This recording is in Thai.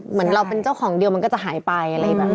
เหมือนเราเป็นเจ้าของเดียวมันก็จะหายไปอะไรแบบนี้